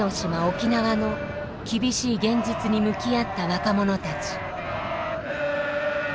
沖縄の厳しい現実に向き合った若者たち。